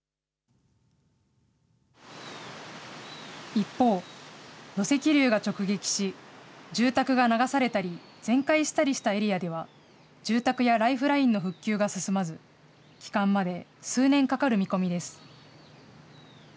一方、土石流が直撃し、住宅が流されたり、全壊したりしたエリアでは、住宅やライフラインの復旧が進まず、帰還まで数年かかる見込みです。